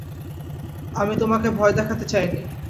আমি তোমাকে ভয় দেখাতে চাইনি।